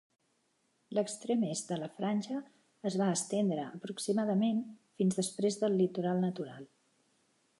L'extrem est de la franja es va estendre aproximadament fins després del litoral natural.